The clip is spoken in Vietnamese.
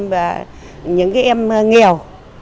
và những cái em nghèo